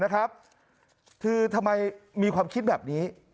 คือทำไมมีความคิดแบบนี้